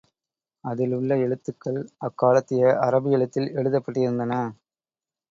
அதில் உள்ள எழுத்துகள் அக்காலத்திய அரபி எழுத்தில் எழுதப்பட்டிருந்தன.